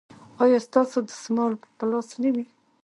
ایا ستاسو دستمال به په لاس نه وي؟